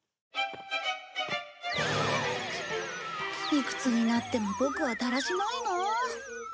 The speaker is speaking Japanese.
いくつになってもボクはだらしないなあ。